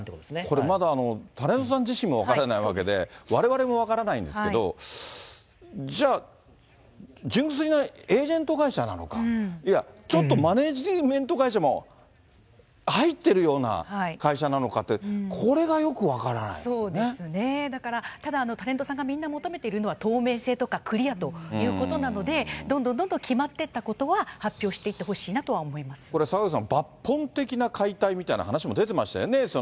これ、まだタレントさん自身も分からないわけで、われわれも分からないんですけれども、じゃあ、純粋なエージェント会社なのか、いや、ちょっとマネジメント会社も入ってるような会社なのかって、これそうですね、だから、ただ、タレントさんがみんな、求めているのは、透明性とかクリアということなので、どんどんどんどん決まっていったことは発表していってほしいなとこれ坂口さん、抜本的な解体みたいな話も出てましたよね。